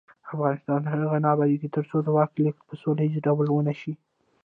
افغانستان تر هغو نه ابادیږي، ترڅو د واک لیږد په سوله ییز ډول ونشي.